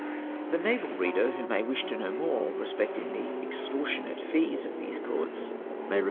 The naval reader who may wish to know more re specting tlie extortionate fees of these courts may refer o 2 196 CAPT.